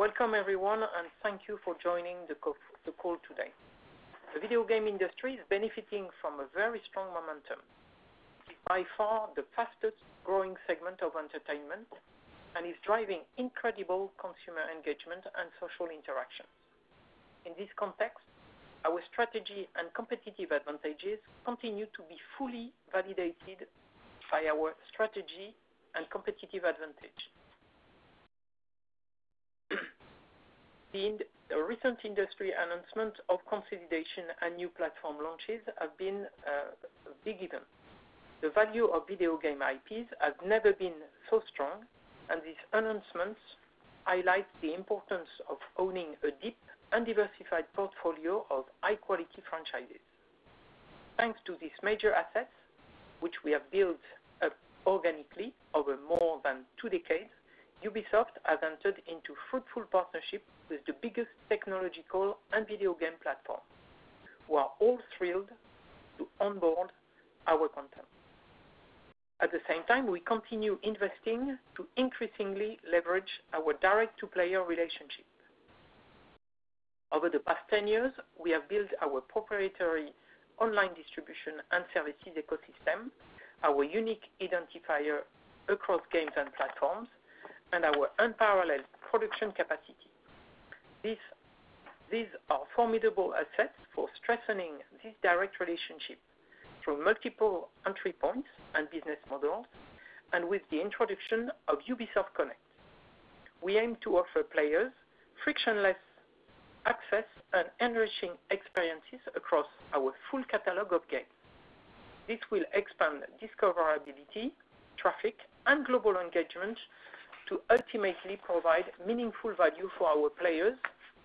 Welcome everyone, thank you for joining the call today. The video game industry is benefiting from a very strong momentum. It's by far the fastest-growing segment of entertainment and is driving incredible consumer engagement and social interaction. In this context, our strategy and competitive advantages continue to be fully validated by our strategy and competitive advantage. The recent industry announcement of consolidation and new platform launches have been a big item. The value of video game IPs has never been so strong, these announcements highlight the importance of owning a deep and diversified portfolio of high-quality franchises. Thanks to these major assets, which we have built organically over more than two decades, Ubisoft has entered into fruitful partnership with the biggest technological and video game platforms, who are all thrilled to onboard our content. At the same time, we continue investing to increasingly leverage our direct-to-player relationship. Over the past 10 years, we have built our proprietary online distribution and services ecosystem, our unique identifier across games and platforms, and our unparalleled production capacity. These are formidable assets for strengthening this direct relationship through multiple entry points and business models, and with the introduction of Ubisoft Connect. We aim to offer players frictionless access and enriching experiences across our full catalog of games. This will expand discoverability, traffic, and global engagement to ultimately provide meaningful value for our players,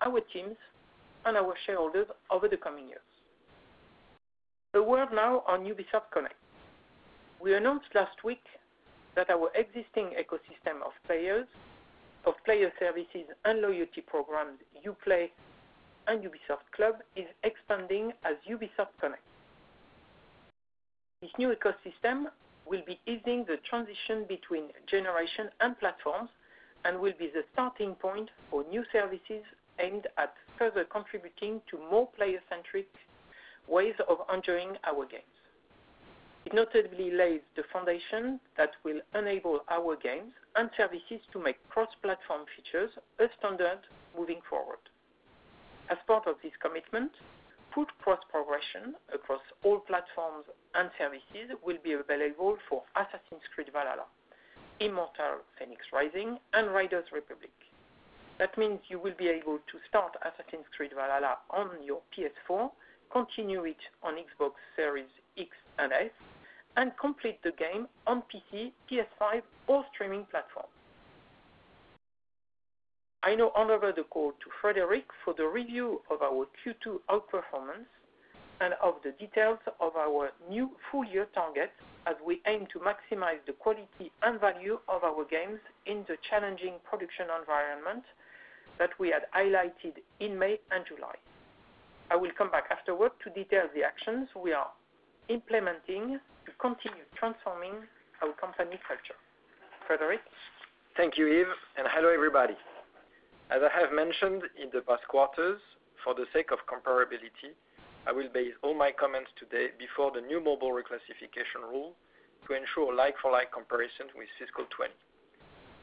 our teams, and our shareholders over the coming years. A word now on Ubisoft Connect. We announced last week that our existing ecosystem of players, of player services and loyalty programs, Uplay and Ubisoft Club, is expanding as Ubisoft Connect. This new ecosystem will be easing the transition between generation and platforms and will be the starting point for new services aimed at further contributing to more player-centric ways of enjoying our games. It notably lays the foundation that will enable our games and services to make cross-platform features a standard moving forward. As part of this commitment, full cross-progression across all platforms and services will be available for "Assassin's Creed Valhalla," "Immortals Fenyx Rising," and "Riders Republic." That means you will be able to start "Assassin's Creed Valhalla" on your PS4, continue it on Xbox Series X and S, and complete the game on PC, PS5, or streaming platform. I now hand over the call to Frédérick for the review of our Q2 outperformance and of the details of our new full-year targets as we aim to maximize the quality and value of our games in the challenging production environment that we had highlighted in May and July. I will come back afterward to detail the actions we are implementing to continue transforming our company culture. Frédérick? Thank you, Yves. Hello, everybody. As I have mentioned in the past quarters, for the sake of comparability, I will base all my comments today before the new mobile reclassification rule to ensure like-for-like comparisons with fiscal 2020.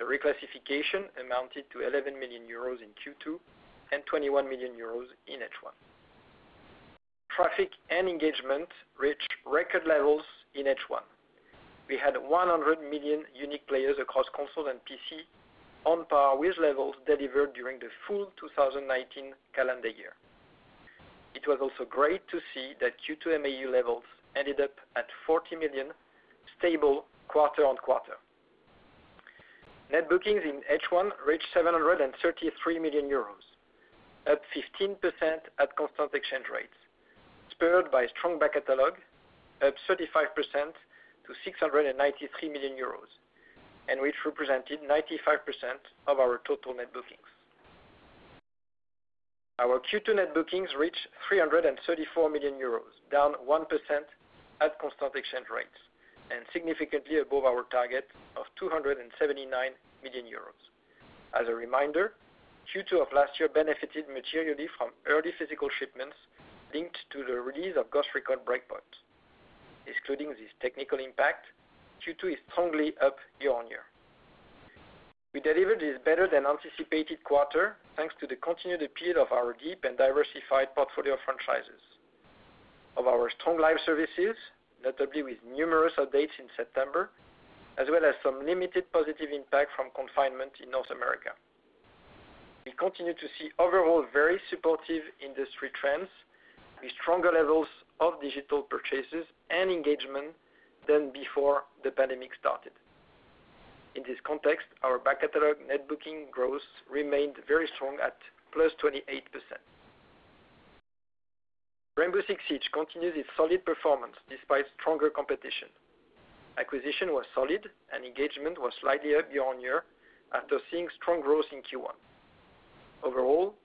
The reclassification amounted to 11 million euros in Q2 and 21 million euros in H1. Traffic and engagement reached record levels in H1. We had 100 million unique players across console and PC on par with levels delivered during the full 2019 calendar year. It was also great to see that Q2 MAU levels ended up at 40 million, stable quarter-on-quarter. Net bookings in H1 reached 733 million euros, up 15% at constant exchange rates, spurred by strong back-catalog, up 35% to 693 million euros, and which represented 95% of our total net bookings. Our Q2 net bookings reached 334 million euros, down 1% at constant exchange rates, and significantly above our target of 279 million euros. As a reminder, Q2 of last year benefited materially from early physical shipments linked to the release of Ghost Recon Breakpoint. Excluding this technical impact, Q2 is strongly up year-on-year. We delivered this better-than-anticipated quarter thanks to the continued appeal of our deep and diversified portfolio of franchises, of our strong live services, notably with numerous updates in September, as well as some limited positive impact from confinement in North America. We continue to see overall very supportive industry trends, with stronger levels of digital purchases and engagement than before the pandemic started. In this context, our back-catalog net booking growth remained very strong at +28%. Rainbow Six Siege continues its solid performance despite stronger competition. Acquisition was solid and engagement was slightly up year-on-year after seeing strong growth in Q1. Overall,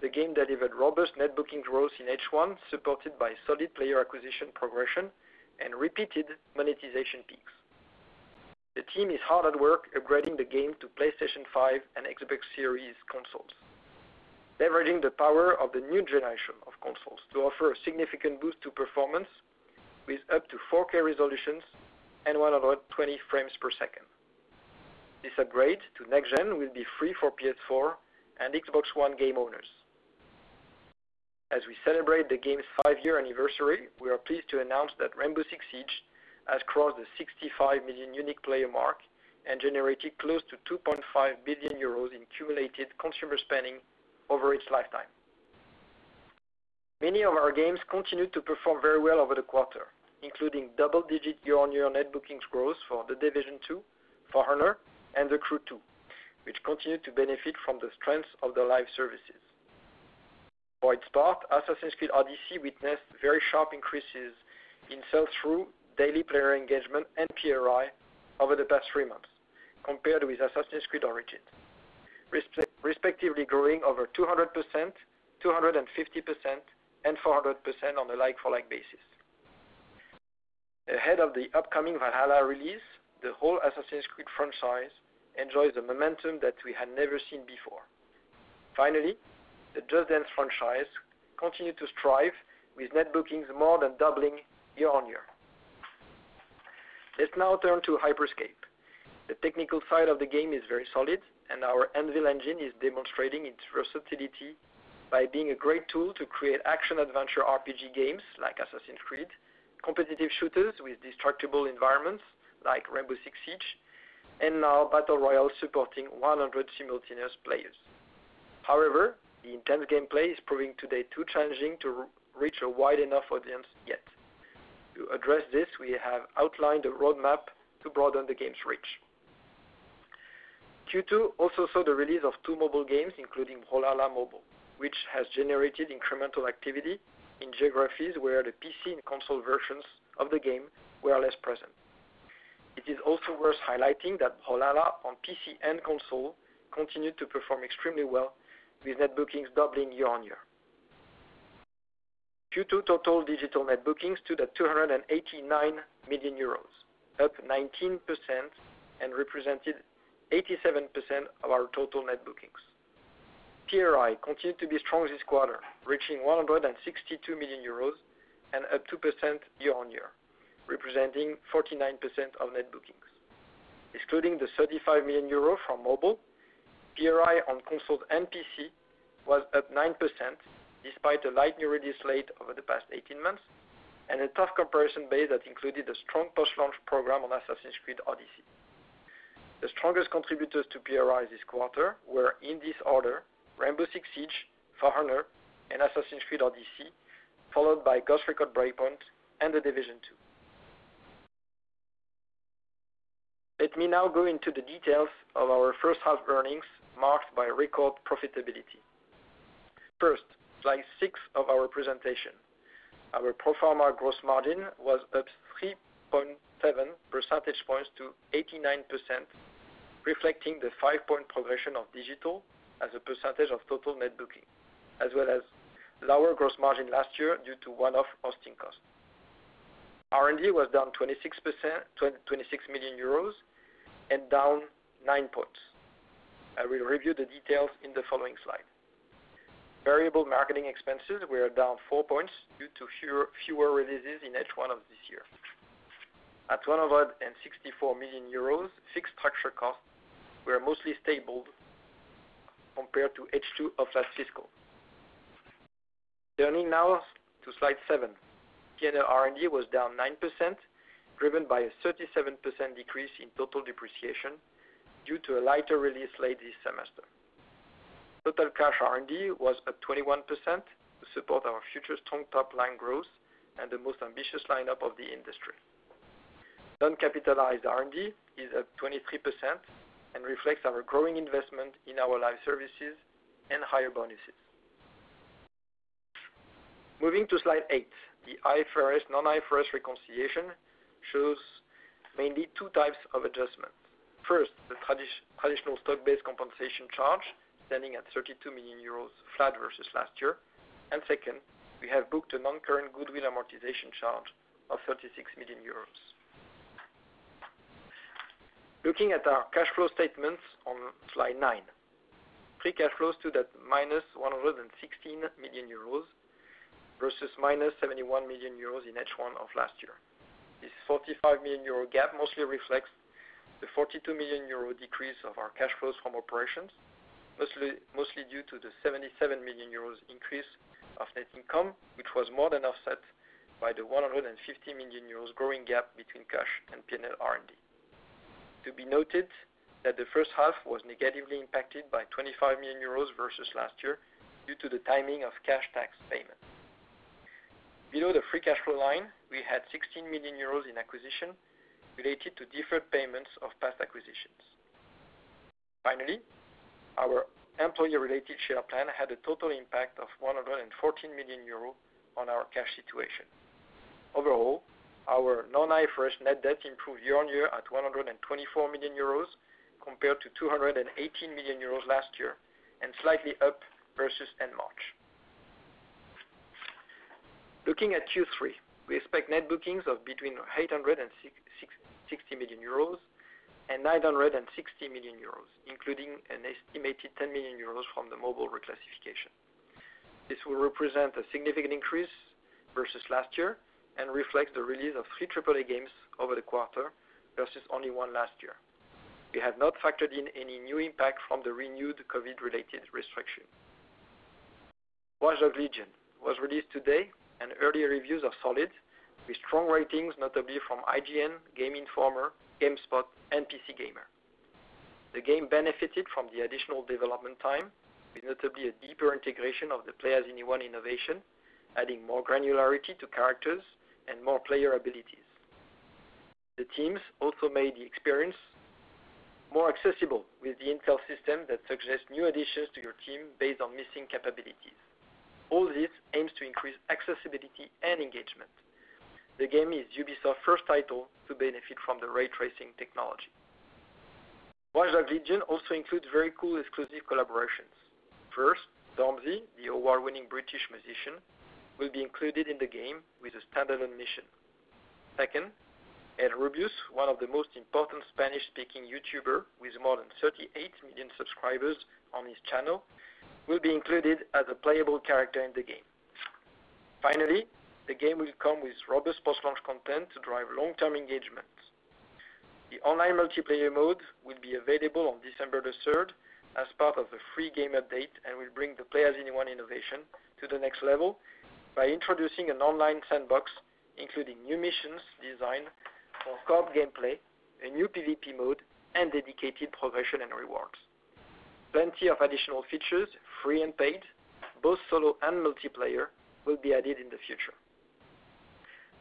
the game delivered robust net booking growth in H1, supported by solid player acquisition progression and repeated monetization peaks. The team is hard at work upgrading the game to PlayStation 5 and Xbox Series consoles, leveraging the power of the new generation of consoles to offer a significant boost to performance with up to 4K resolutions and 120 frames per second. This upgrade to next-gen will be free for PS4 and Xbox One game owners. As we celebrate the game's five-year anniversary, we are pleased to announce that Rainbow Six Siege has crossed the 65 million unique player mark and generated close to 2.5 billion euros in cumulative consumer spending over its lifetime. Many of our games continued to perform very well over the quarter, including double-digit year-on-year net bookings growth for The Division 2, Far Cry, and The Crew 2, which continued to benefit from the strengths of the live services. For its part, Assassin's Creed Odyssey witnessed very sharp increases in sell-through, daily player engagement, and PRI over the past three months compared with Assassin's Creed Origins, respectively growing over 200%, 250%, and 400% on a like-for-like basis. Ahead of the upcoming Valhalla release, the whole Assassin's Creed franchise enjoys a momentum that we had never seen before. Finally, the Just Dance franchise continued to strive with net bookings more than doubling year-on-year. Let's now turn to Hyper Scape. The technical side of the game is very solid, our Anvil engine is demonstrating its versatility by being a great tool to create action-adventure RPG games like Assassin's Creed, competitive shooters with destructible environments like Rainbow Six Siege, and now battle royale supporting 100 simultaneous players. However, the intense gameplay is proving today too challenging to reach a wide enough audience yet. To address this, we have outlined a roadmap to broaden the game's reach. Q2 also saw the release of two mobile games, including Brawlhalla Mobile, which has generated incremental activity in geographies where the PC and console versions of the game were less present. It is also worth highlighting that Brawlhalla on PC and console continued to perform extremely well, with net bookings doubling year-on-year. Q2 total digital net bookings stood at 289 million euros, up 19% and represented 87% of our total net bookings. PRI continued to be strong this quarter, reaching 162 million euros and up 2% year-on-year, representing 49% of net bookings. Excluding the 35 million euro from mobile, PRI on consoles and PC was up 9%, despite a light new release slate over the past 18 months and a tough comparison base that included a strong post-launch program on Assassin's Creed Odyssey. The strongest contributors to PRI this quarter were, in this order, Rainbow Six Siege, Far Cry, and Assassin's Creed Odyssey, followed by Ghost Recon Breakpoint and The Division 2. Let me now go into the details of our first half earnings marked by record profitability. First, slide six of our presentation. Our pro forma gross margin was up 3.7 percentage points to 89%, reflecting the five-point progression of digital as a percentage of total net booking, as well as lower gross margin last year due to one-off hosting costs. R&D was down 26 million euros and down nine points. I will review the details in the following slide. Variable marketing expenses were down four points due to fewer releases in H1 of this year. At 264 million euros, fixed structure costs were mostly stable compared to H2 of last fiscal. Turning now to slide seven. P&L R&D was down 9%, driven by a 37% decrease in total depreciation due to a lighter release late this semester. Total cash R&D was up 21% to support our future strong top-line growth and the most ambitious lineup of the industry. Non-capitalized R&D is up 23% and reflects our growing investment in our live services and higher bonuses. Moving to slide eight, the IFRS, non-IFRS reconciliation shows mainly 2 types of adjustments. First, the traditional stock-based compensation charge, standing at 32 million euros flat versus last year. Second, we have booked a non-current goodwill amortization charge of 36 million euros. Looking at our cash flow statements on slide nine. Free cash flows stood at minus 116 million euros versus minus 71 million euros in H1 of last year. This 45 million euro gap mostly reflects the 42 million euro decrease of our cash flows from operations, mostly due to the 77 million euros increase of net income, which was more than offset by the 150 million euros growing gap between cash and P&L R&D. To be noted that the first half was negatively impacted by 25 million euros versus last year due to the timing of cash tax payments. Below the free cash flow line, we had 16 million euros in acquisition related to deferred payments of past acquisitions. Finally, our employee-related share plan had a total impact of 114 million euros on our cash situation. Overall, our non-IFRS net debt improved year-on-year at 124 million euros compared to 218 million euros last year, and slightly up versus end March. Looking at Q3, we expect net bookings of between 800 million euros and 960 million euros, and EUR 900 million and EUR 960 million, including an estimated 10 million euros from the mobile reclassification. This will represent a significant increase versus last year and reflect the release of three AAA games over the quarter versus only one last year. We have not factored in any new impact from the renewed COVID-related restriction. Watch Dogs: Legion was released today, and early reviews are solid with strong ratings, notably from IGN, Game Informer, GameSpot, and PC Gamer. The game benefited from the additional development time, with notably a deeper integration of the play-as-anyone innovation, adding more granularity to characters and more player abilities. The teams also made the experience more accessible with the intel system that suggests new additions to your team based on missing capabilities. All this aims to increase accessibility and engagement. The game is Ubisoft's first title to benefit from the ray tracing technology. Watch Dogs: Legion also includes very cool exclusive collaborations. First, Stormzy, the award-winning British musician, will be included in the game with a standalone mission. Second, El Rubius, one of the most important Spanish-speaking YouTuber with more than 38 million subscribers on his channel, will be included as a playable character in the game. Finally, the game will come with robust post-launch content to drive long-term engagement. The online multiplayer mode will be available on December the 3rd as part of a free game update and will bring the play-as-anyone innovation to the next level by introducing an online sandbox, including new missions designed for co-op gameplay, a new PVP mode, and dedicated progression and rewards. Plenty of additional features, free and paid, both solo and multiplayer, will be added in the future.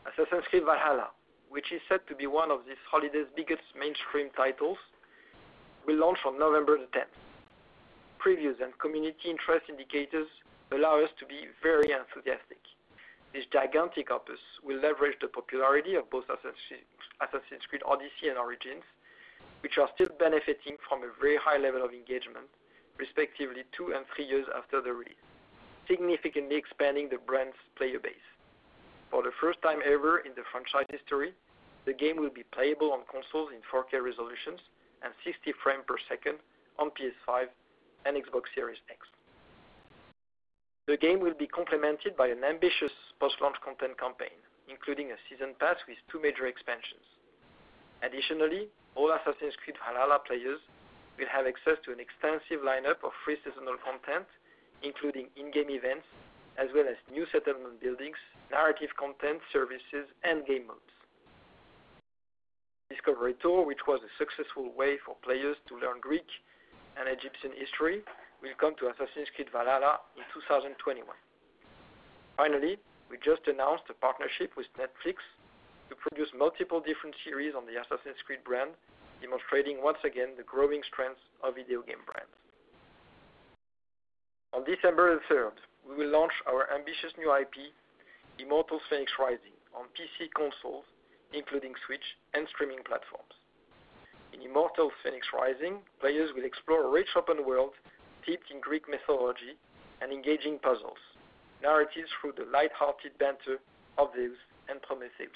Assassin's Creed Valhalla, which is set to be one of this holiday's biggest mainstream titles, will launch on November the 10th. Previews and community interest indicators allow us to be very enthusiastic. This gigantic opus will leverage the popularity of both Assassin's Creed Odyssey and Origins, which are still benefiting from a very high level of engagement, respectively, two and three years after the release, significantly expanding the brand's player base. For the first time ever in the franchise history, the game will be playable on consoles in 4K resolutions and 60 frames per second on PS5 and Xbox Series X. The game will be complemented by an ambitious post-launch content campaign, including a season pass with two major expansions. Additionally, all Assassin's Creed Valhalla players will have access to an extensive lineup of free seasonal content, including in-game events, as well as new settlement buildings, narrative content, services, and game modes. Discovery Tour, which was a successful way for players to learn Greek and Egyptian history, will come to Assassin's Creed Valhalla in 2021. Finally, we just announced a partnership with Netflix to produce multiple different series on the Assassin's Creed brand, demonstrating once again the growing strength of video game brands. On December the 3rd, we will launch our ambitious new IP, Immortals Fenyx Rising on PC consoles, including Switch and streaming platforms. In Immortals Fenyx Rising, players will explore a rich open world steeped in Greek mythology and engaging puzzles, narratives through the light-hearted banter of Zeus and Prometheus.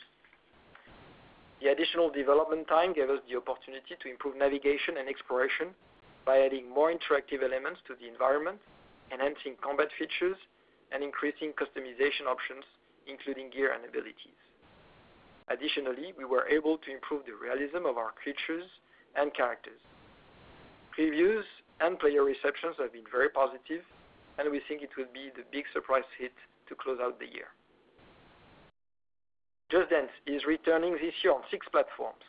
The additional development time gave us the opportunity to improve navigation and exploration by adding more interactive elements to the environment, enhancing combat features, and increasing customization options, including gear and abilities. Additionally, we were able to improve the realism of our creatures and characters. Previews and player receptions have been very positive. We think it will be the big surprise hit to close out the year. Just Dance is returning this year on six platforms.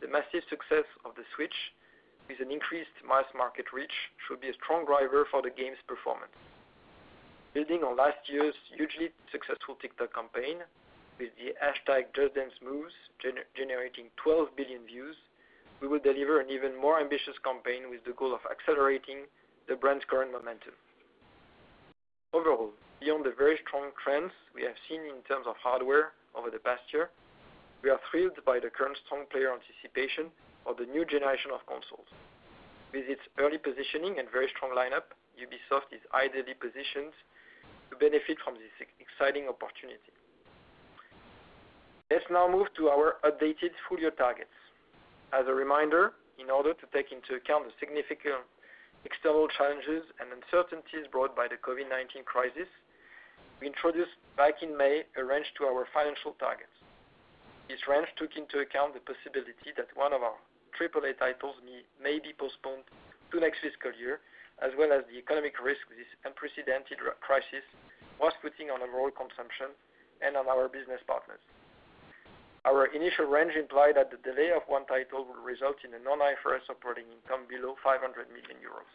The massive success of the Switch with an increased mass market reach should be a strong driver for the game's performance. Building on last year's hugely successful TikTok campaign with the hashtag #JustDanceMoves generating 12 billion views, we will deliver an even more ambitious campaign with the goal of accelerating the brand's current momentum. Overall, beyond the very strong trends we have seen in terms of hardware over the past year, we are thrilled by the current strong player anticipation of the new generation of consoles. With its early positioning and very strong lineup, Ubisoft is ideally positioned to benefit from this exciting opportunity. Let's now move to our updated full-year targets. As a reminder, in order to take into account the significant external challenges and uncertainties brought by the COVID-19 crisis, we introduced back in May a range to our financial targets. This range took into account the possibility that one of our AAA titles may be postponed to next fiscal year, as well as the economic risk this unprecedented crisis was putting on overall consumption and on our business partners. Our initial range implied that the delay of one title will result in a non-IFRS operating income below 500 million euros.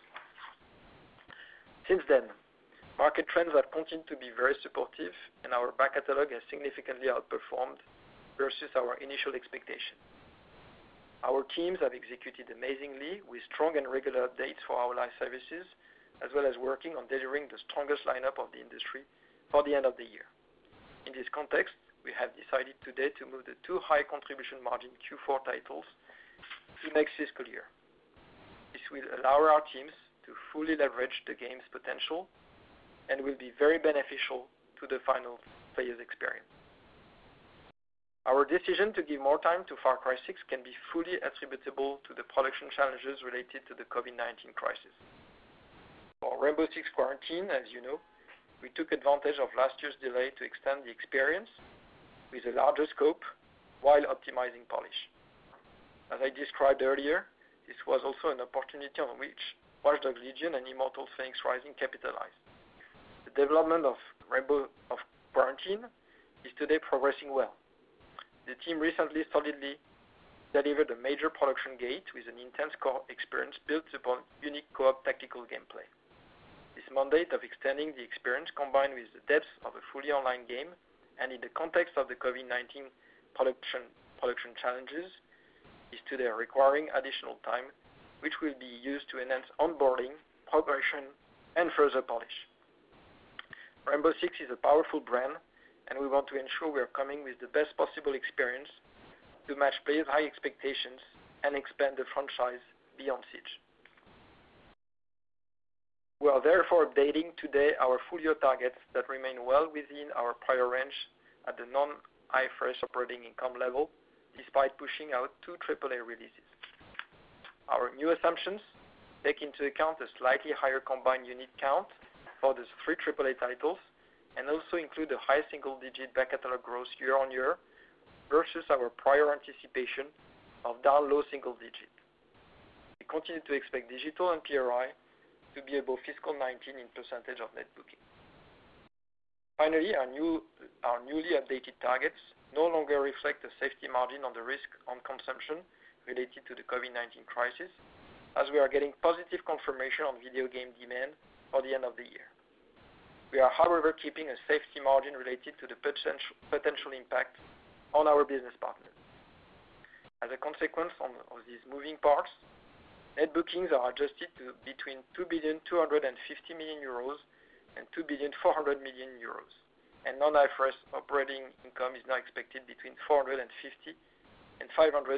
Market trends have continued to be very supportive, and our back-catalog has significantly outperformed versus our initial expectation. Our teams have executed amazingly with strong and regular updates for our live services, as well as working on delivering the strongest lineup of the industry for the end of the year. In this context, we have decided today to move the two high contribution margin Q4 titles to next fiscal year. This will allow our teams to fully leverage the game's potential and will be very beneficial to the final player's experience. Our decision to give more time to Far Cry 6 can be fully attributable to the production challenges related to the COVID-19 crisis. For Rainbow Six Quarantine, as you know, we took advantage of last year's delay to extend the experience with a larger scope while optimizing polish. As I described earlier, this was also an opportunity on which Watch Dogs Legion and Immortals Fenyx Rising capitalized. The development of Quarantine is today progressing well. The team recently solidly delivered a major production gate with an intense core experience built upon unique co-op tactical gameplay. This mandate of extending the experience, combined with the depth of a fully online game and in the context of the COVID-19 production challenges, is today requiring additional time, which will be used to enhance onboarding, progression, and further polish. Rainbow Six is a powerful brand. We want to ensure we are coming with the best possible experience to match players' high expectations and expand the franchise beyond Siege. We are therefore updating today our full-year targets that remain well within our prior range at the non-IFRS operating income level, despite pushing out two AAA releases. Our new assumptions take into account a slightly higher combined unit count for the three AAA titles and also include a high single-digit back-catalog growth year-on-year, versus our prior anticipation of down low single-digit. We continue to expect digital and PRI to be above fiscal 2019 in percentage of net booking. Our newly updated targets no longer reflect the safety margin on the risk on consumption related to the COVID-19 crisis, as we are getting positive confirmation on video game demand for the end of the year. We are, however, keeping a safety margin related to the potential impact on our business partners. As a consequence of these moving parts, net bookings are adjusted to between 2.25 billion and 2.4 billion, and non-IFRS operating income is now expected between 450 million and 550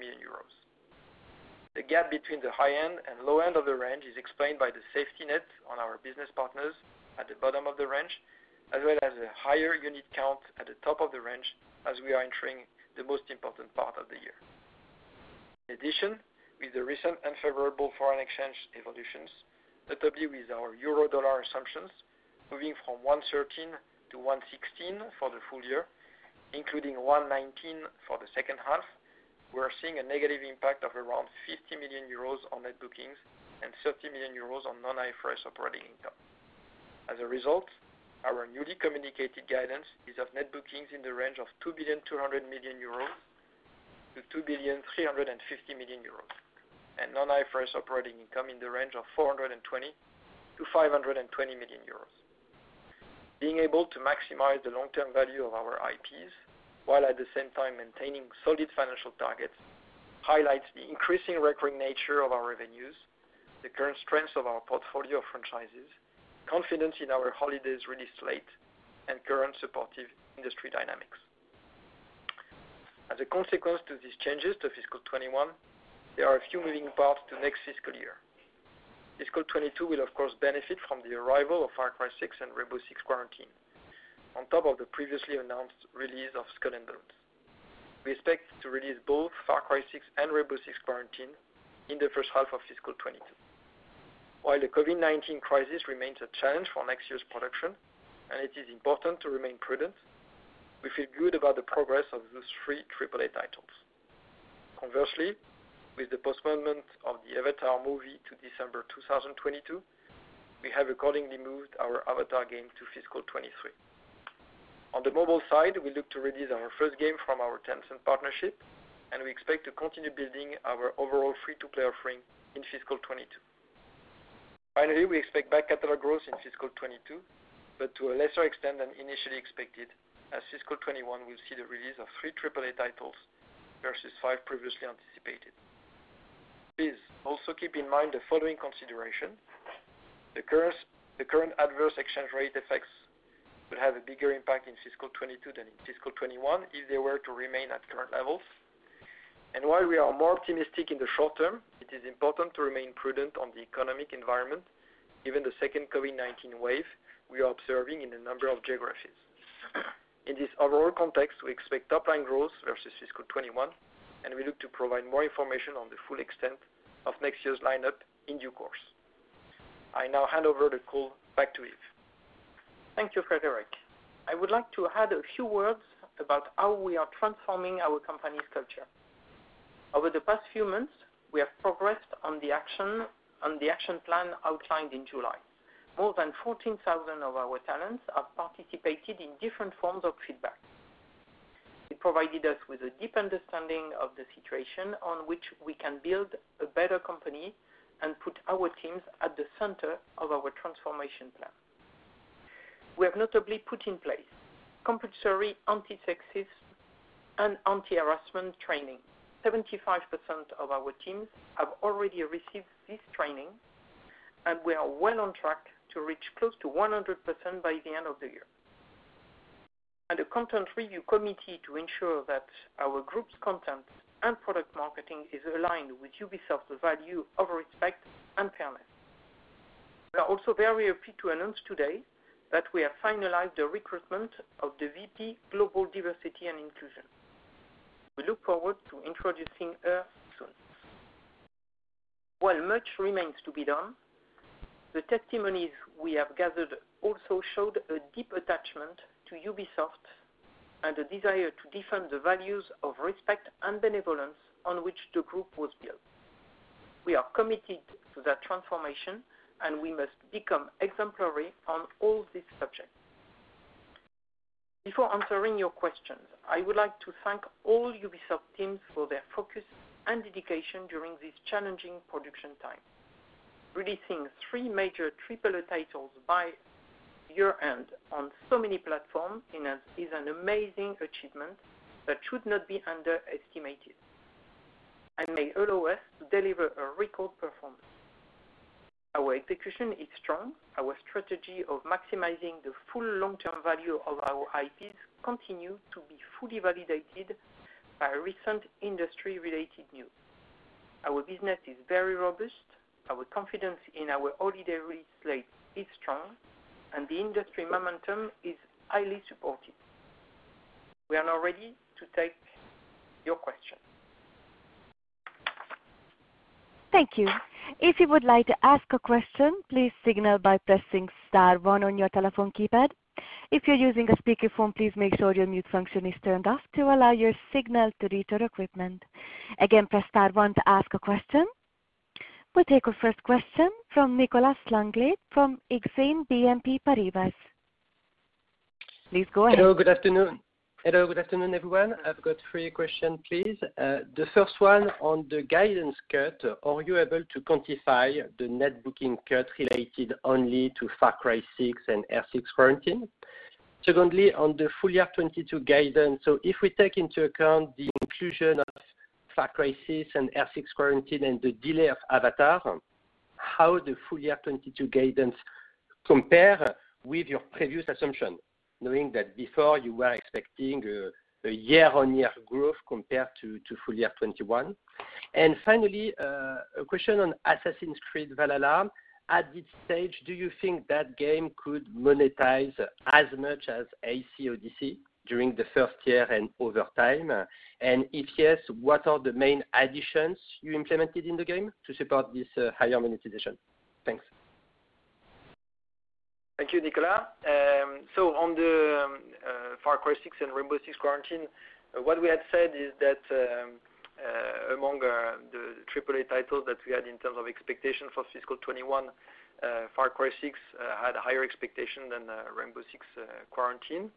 million euros. The gap between the high end and low end of the range is explained by the safety net on our business partners at the bottom of the range, as well as a higher unit count at the top of the range as we are entering the most important part of the year. In addition, with the recent unfavorable foreign exchange evolutions, notably with our euro-dollar assumptions moving from 113-116 for the full year, including 119 for the second half, we are seeing a negative impact of around 50 million euros on net bookings and 30 million euros on non-IFRS operating income. As a result, our newly communicated guidance is of net bookings in the range of 2.2 billion-2.35 billion euros, and non-IFRS operating income in the range of 420 million-520 million euros. Being able to maximize the long-term value of our IPs while at the same time maintaining solid financial targets highlights the increasing record nature of our revenues, the current strength of our portfolio of franchises, confidence in our holidays release slate, and current supportive industry dynamics. As a consequence to these changes to fiscal 2021, there are a few moving parts to next fiscal year. Fiscal 2022 will, of course, benefit from the arrival of Far Cry 6 and Rainbow Six Quarantine. On top of the previously announced release of Skull and Bones. We expect to release both Far Cry 6 and Rainbow Six Quarantine in the first half of fiscal 2022. While the COVID-19 crisis remains a challenge for next year's production, and it is important to remain prudent, we feel good about the progress of those three AAA titles. Conversely, with the postponement of the Avatar movie to December 2022, we have accordingly moved our Avatar game to fiscal 2023. On the mobile side, we look to release our first game from our Tencent partnership, and we expect to continue building our overall free-to-play offering in fiscal 2022. Finally, we expect back-catalog growth in fiscal 2022, but to a lesser extent than initially expected, as fiscal 2021 will see the release of three AAA titles versus five previously anticipated. Please also keep in mind the following consideration. The current adverse exchange rate effects would have a bigger impact in fiscal 2022 than in fiscal 2021 if they were to remain at current levels. While we are more optimistic in the short term, it is important to remain prudent on the economic environment, given the second COVID-19 wave we are observing in a number of geographies. In this overall context, we expect top-line growth versus fiscal 2021, and we look to provide more information on the full extent of next year's lineup in due course. I now hand over the call back to Yves. Thank you, Frédérick. I would like to add a few words about how we are transforming our company's culture. Over the past few months, we have progressed on the action plan outlined in July. More than 14,000 of our talents have participated in different forms of feedback. It provided us with a deep understanding of the situation on which we can build a better company and put our teams at the center of our transformation plan. We have notably put in place compulsory anti-sexist and anti-harassment training. 75% of our teams have already received this training. We are well on track to reach close to 100% by the end of the year. A content review committee to ensure that our group's content and product marketing is aligned with Ubisoft's value of respect and fairness. We are also very happy to announce today that we have finalized the recruitment of the VP Global Diversity & Inclusion. We look forward to introducing her soon. While much remains to be done, the testimonies we have gathered also showed a deep attachment to Ubisoft and a desire to defend the values of respect and benevolence on which the group was built. We are committed to that transformation, we must become exemplary on all these subjects. Before answering your questions, I would like to thank all Ubisoft teams for their focus and dedication during this challenging production time. Releasing three major AAA titles by year-end on so many platforms is an amazing achievement that should not be underestimated and may allow us to deliver a record performance. Our execution is strong. Our strategy of maximizing the full long-term value of our IPs continue to be fully validated by recent industry-related news. Our business is very robust. Our confidence in our holiday release slate is strong. The industry momentum is highly supported. We are now ready to take your questions. Thank you. If you would like to ask a question, please signal by pressing star one on your telephone keypad. If you are using a speakerphone, please make sure your mute function is turned off to allow your signal to reach our equipment. Again, press star one to ask a question. We will take our first question from Nicolas Langlet from Exane BNP Paribas. Please go ahead. Hello, good afternoon, everyone. I've got three question, please. The first one on the guidance cut, are you able to quantify the net booking cut related only to Far Cry 6 and R6 Quarantine? Secondly, on the full year 2022 guidance, if we take into account the inclusion of Far Cry 6 and R6 Quarantine and the delay of Avatar, how the full year 2022 guidance compare with your previous assumption, knowing that before you were expecting a year-on-year growth compared to full year 2021? Finally, a question on Assassin's Creed Valhalla. At this stage, do you think that game could monetize as much as AC Odyssey during the first year and over time? If yes, what are the main additions you implemented in the game to support this higher monetization? Thanks. Thank you, Nicolas. On the Far Cry 6 and Rainbow Six Quarantine, what we had said is that among the AAA titles that we had in terms of expectations for fiscal 2021, Far Cry 6 had a higher expectation than Rainbow Six Quarantine.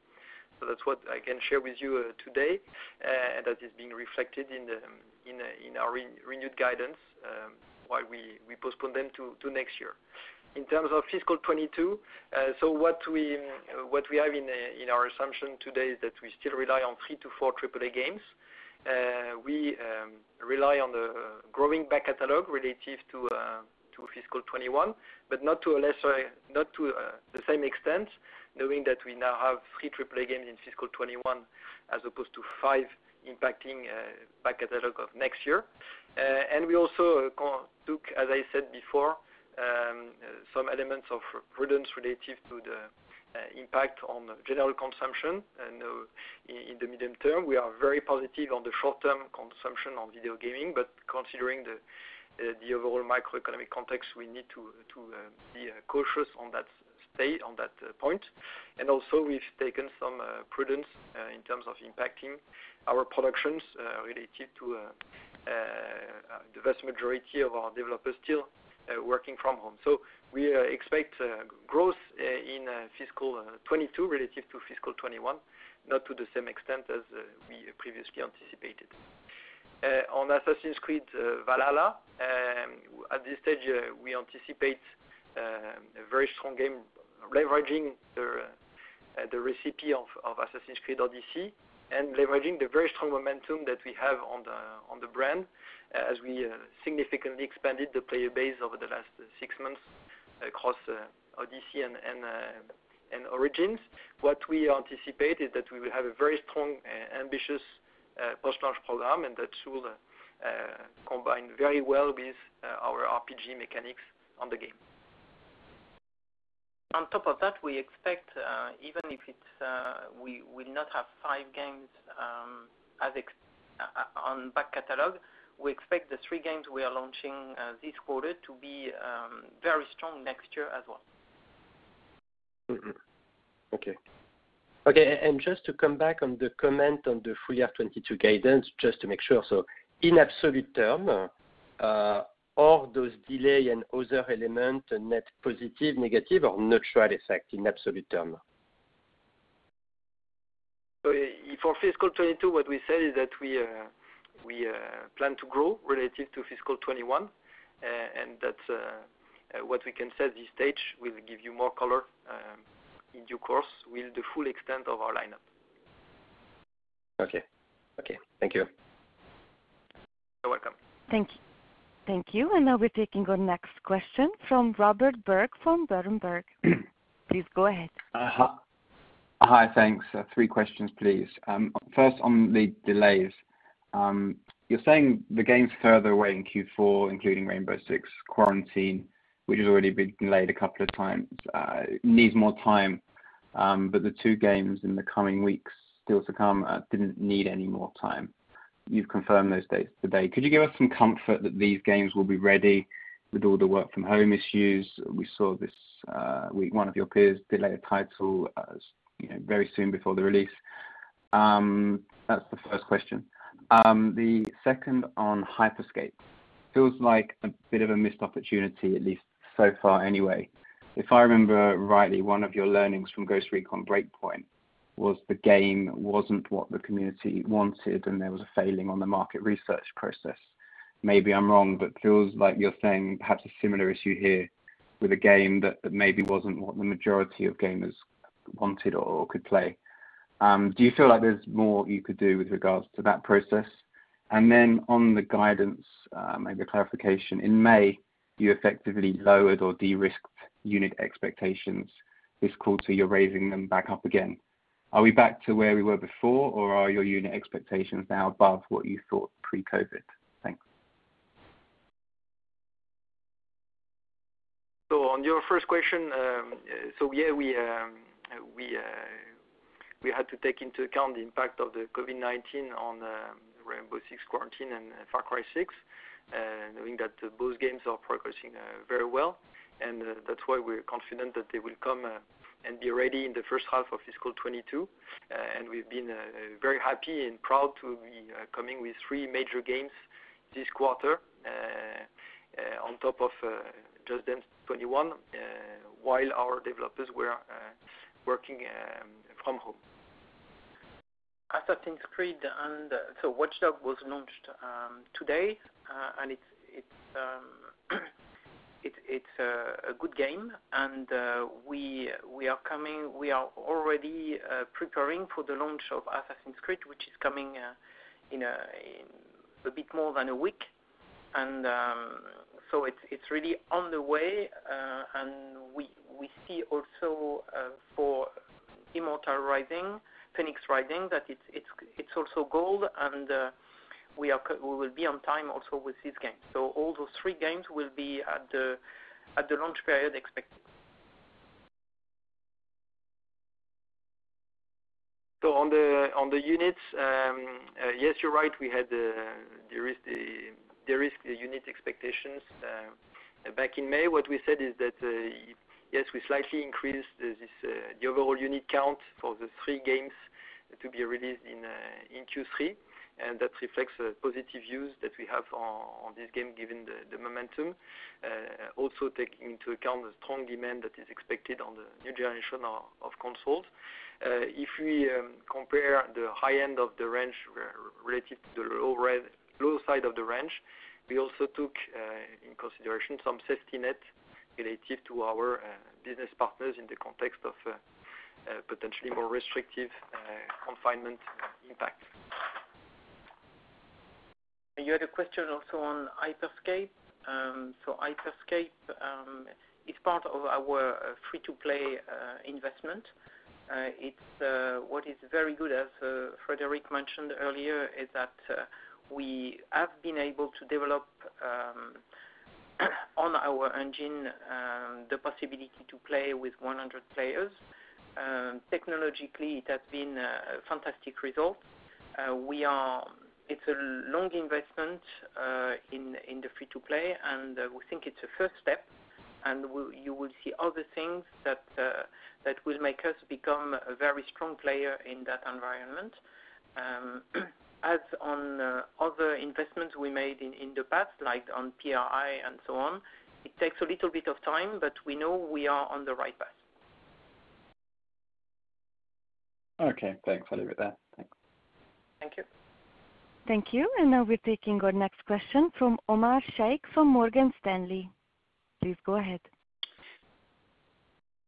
That's what I can share with you today, and that is being reflected in our renewed guidance, why we postponed them to next year. In terms of fiscal 2022, what we have in our assumption today is that we still rely on three to four AAA games. We rely on the growing back-catalog relative to fiscal 2021, but not to the same extent, knowing that we now have three AAA games in fiscal 2021 as opposed to five impacting back-catalog of next year. We also took, as I said before, some elements of prudence relative to the impact on general consumption and in the medium term. We are very positive on the short-term consumption on video gaming, but considering the overall microeconomic context, we need to be cautious on that point. We've taken some prudence in terms of impacting our productions related to the vast majority of our developers still working from home. We expect growth in fiscal 2022 relative to fiscal 2021, not to the same extent as we previously anticipated. On "Assassin's Creed Valhalla," at this stage, we anticipate a very strong game leveraging the recipe of "Assassin's Creed Odyssey" and leveraging the very strong momentum that we have on the brand as we significantly expanded the player base over the last six months across "Odyssey" and "Origins". What we anticipate is that we will have a very strong, ambitious post-launch program, and that should combine very well with our RPG mechanics on the game. On top of that, we expect even if we will not have five games on back-catalog, we expect the three games we are launching this quarter to be very strong next year as well. Okay. Just to come back on the comment on the full year 2022 guidance, just to make sure. In absolute term, all those delay and other element, net positive, negative or neutral effect in absolute term? For fiscal 2022, what we said is that we plan to grow relative to fiscal 2021. That's what we can say at this stage. We'll give you more color in due course with the full extent of our lineup. Okay. Thank you. You're welcome. Thank you. Now we're taking our next question from Robert Berg from Berenberg. Please go ahead. Hi. Thanks. Three questions, please. First on the delays. You're saying the games further away in Q4, including Rainbow Six Quarantine, which has already been delayed a couple of times, needs more time. The two games in the coming weeks still to come, didn't need any more time. You've confirmed those dates today. Could you give us some comfort that these games will be ready with all the work from home issues? We saw this week one of your peers delay a title very soon before the release. That's the first question. The second on Hyper Scape. Feels like a bit of a missed opportunity, at least so far anyway. If I remember rightly, one of your learnings from Ghost Recon Breakpoint was the game wasn't what the community wanted, and there was a failing on the market research process. Maybe I'm wrong, but feels like you're saying perhaps a similar issue here with a game that maybe wasn't what the majority of gamers wanted or could play. Do you feel like there's more you could do with regards to that process? On the guidance, maybe a clarification. In May, you effectively lowered or de-risked unit expectations this quarter, you're raising them back up again. Are we back to where we were before or are your unit expectations now above what you thought pre-COVID? Thanks. On your first question, yeah, we had to take into account the impact of the COVID-19 on Rainbow Six Quarantine and Far Cry 6. Knowing that both games are progressing very well, and that's why we're confident that they will come and be ready in the first half of fiscal 2022. We've been very happy and proud to be coming with three major games this quarter on top of Just Dance 2021, while our developers were working from home. Assassin's Creed. Watch Dogs was launched today, and it's a good game, and we are already preparing for the launch of Assassin's Creed, which is coming in a bit more than a week. It's really on the way. We see also for Immortals Rising, Fenyx Rising, that it's also gold, and we will be on time also with this game. All those three games will be at the launch period expected. On the units, yes, you're right, we had de-risked the unit expectations back in May. What we said is that, yes, we slightly increased the overall unit count for the three games to be released in Q3, and that reflects the positive views that we have on this game given the momentum. Also take into account the strong demand that is expected on the new generation of consoles. If we compare the high end of the range relative to the low side of the range, we also took in consideration some safety net relative to our business partners in the context of potentially more restrictive confinement impact. You had a question also on Hyper Scape. Hyper Scape is part of our free-to-play investment. What is very good, as Frédérick mentioned earlier, is that we have been able to develop on our engine the possibility to play with 100 players. Technologically, it has been a fantastic result. It's a long investment in the free-to-play, and we think it's a first step, and you will see other things that will make us become a very strong player in that environment. As on other investments we made in the past, like on PRI and so on, it takes a little bit of time, but we know we are on the right path. Okay, thanks. I'll leave it there. Thanks. Thank you. Thank you. Now we're taking our next question from Omar Sheikh from Morgan Stanley. Please go ahead.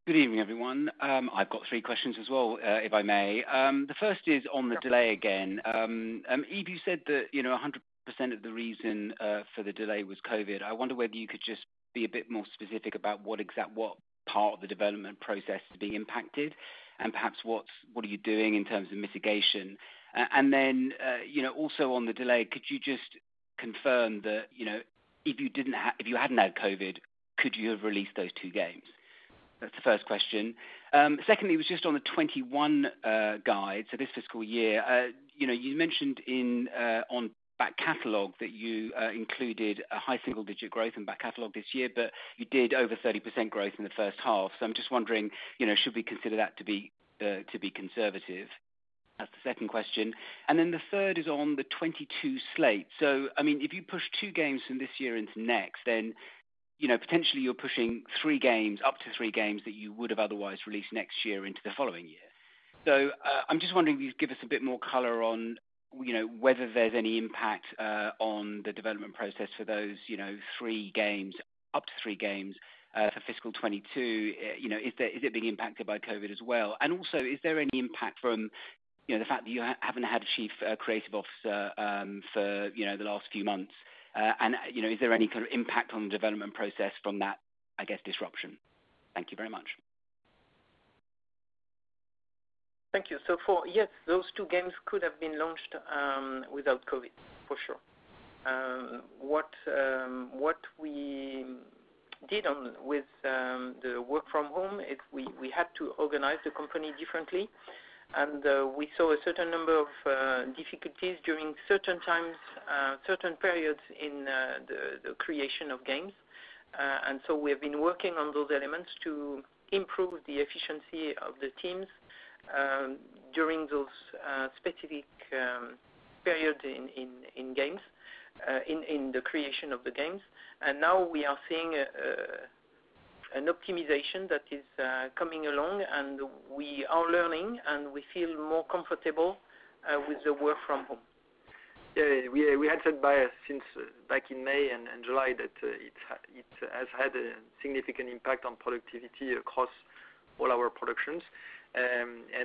Good evening, everyone. I've got three questions as well, if I may. The first is on the delay again. Yves, you said that 100% of the reason for the delay was COVID. I wonder whether you could just be a bit more specific about what part of the development process is being impacted and perhaps what are you doing in terms of mitigation? Also on the delay, could you just confirm that if you hadn't had COVID, could you have released those two games? That's the first question. Secondly, was just on the 21 guide, so this fiscal year. You mentioned on back-catalog that you included a high single-digit growth in back-catalog this year, but you did over 30% growth in the first half. I'm just wondering, should we consider that to be conservative? That's the second question. The third is on the 2022 slate. If you push two games from this year into next, then, potentially, you're pushing up to three games that you would have otherwise released next year into the following year. I'm just wondering if you'd give us a bit more color on whether there's any impact on the development process for those up to three games for fiscal 2022. Is it being impacted by COVID as well? Also, is there any impact from the fact that you haven't had a Chief Creative Officer for the last few months? Is there any kind of impact on the development process from that, I guess disruption? Thank you very much. Thank you. For, yes, those two games could have been launched without COVID, for sure. What we did with the work from home is we had to organize the company differently, and we saw a certain number of difficulties during certain periods in the creation of games. We have been working on those elements to improve the efficiency of the teams during those specific periods in the creation of the games. Now we are seeing an optimization that is coming along, and we are learning, and we feel more comfortable with the work from home. Yeah. We had said since back in May and July that it has had a significant impact on productivity across all our productions.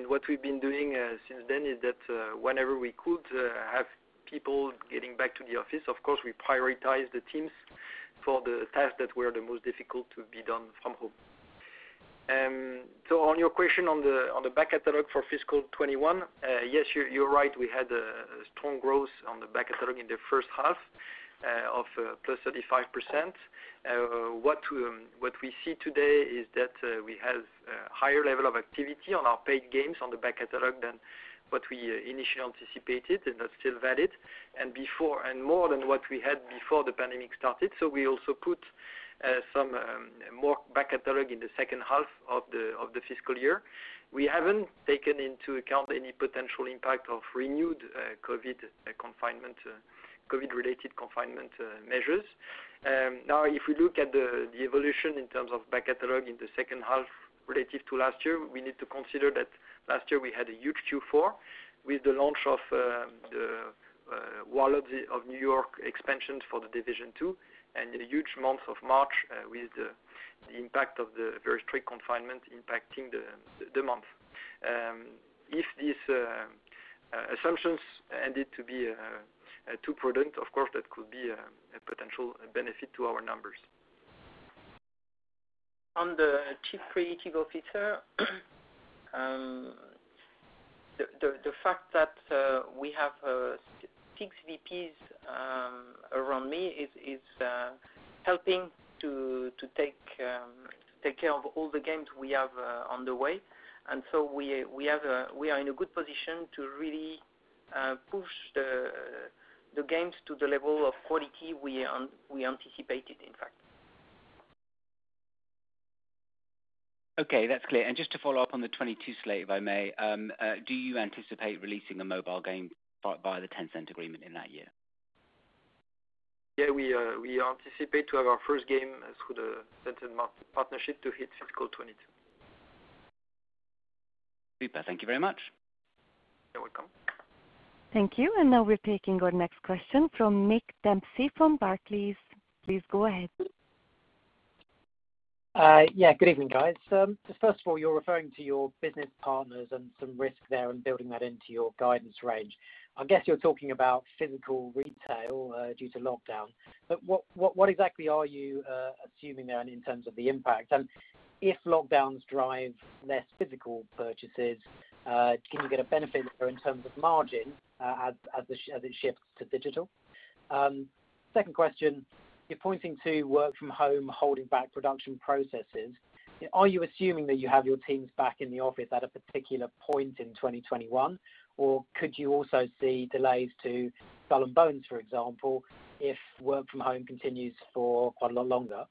What we've been doing since then is that whenever we could have people getting back to the office, of course, we prioritize the teams for the tasks that were the most difficult to be done from home. On your question on the back-catalog for fiscal 2021, yes, you're right. We had a strong growth on the back-catalog in the first half of plus 35%. What we see today is that we have a higher level of activity on our paid games on the back-catalog than what we initially anticipated, and that's still valid, and more than what we had before the pandemic started, so we also put some more back-catalog in the second half of the fiscal year. We haven't taken into account any potential impact of renewed COVID-related confinement measures. Now, if we look at the evolution in terms of back-catalog in the second half relative to last year, we need to consider that last year we had a huge Q4 with the launch of the Warlords of New York expansion for The Division 2 and a huge month of March with the impact of the very strict confinement impacting the month. If these assumptions ended to be too prudent, of course, that could be a potential benefit to our numbers. On the chief creative officer, the fact that we have six VPs around me is helping to take care of all the games we have on the way. We are in a good position to really push the games to the level of quality we anticipated, in fact. Okay. That's clear. Just to follow up on the 2022 slate, if I may, do you anticipate releasing a mobile game by the Tencent agreement in that year? Yeah. We anticipate to have our first game through the Tencent partnership to hit fiscal 2022. Super. Thank you very much. You're welcome. Thank you. Now we're taking our next question from Nick Dempsey from Barclays. Please go ahead. Yeah. Good evening, guys. First of all, you're referring to your business partners and some risk there and building that into your guidance range. I guess you're talking about physical retail due to lockdown, but what exactly are you assuming there in terms of the impact? If lockdowns drive less physical purchases, can you get a benefit there in terms of margin as it shifts to digital? Second question, you're pointing to work from home holding back production processes. Are you assuming that you have your teams back in the office at a particular point in 2021, or could you also see delays to Skull and Bones, for example, if work from home continues for quite a lot longer?